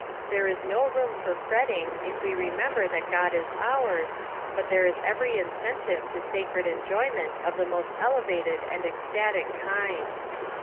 There is no room for fretting if we remember that God is ours, but there is every ineentive to sacred enjoy ment of the most elevated and ecstatic kind.